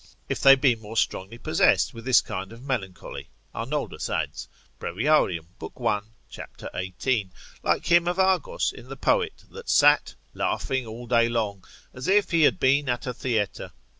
If they be more strongly possessed with this kind of melancholy, Arnoldus adds, Breviar. lib. 1. cap. 18. Like him of Argos in the Poet, that sate laughing all day long, as if he had been at a theatre.